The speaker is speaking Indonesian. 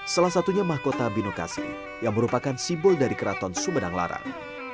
salah satunya mahkota binokasi yang merupakan simbol dari keraton sumedang larang